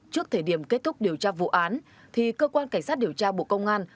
trước thời điểm kết thúc điều tra vụ án thì cơ quan cảnh sát điều tra bộ công an